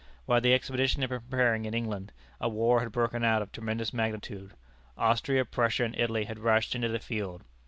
While the expedition had been preparing in England, a war had broken out of tremendous magnitude. Austria, Prussia, and Italy had rushed into the field.